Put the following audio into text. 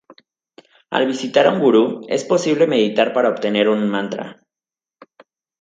Al visitar a un "Gurú", es posible meditar para obtener un Mantra.